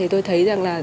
tôi thấy rằng là